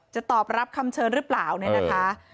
จะตอบรับคำเชิญหรือเปล่าเนี่ยนะคะ